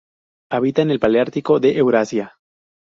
Habita en el paleártico de Eurasia.